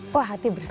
wah hati bersih